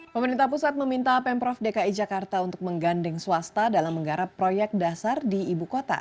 pemerintah pusat meminta pemprov dki jakarta untuk menggandeng swasta dalam menggarap proyek dasar di ibu kota